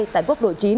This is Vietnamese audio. tại quốc độ chín